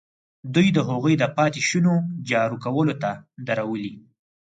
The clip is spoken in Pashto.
دوی د هغوی د پاتې شونو جارو کولو ته درولي.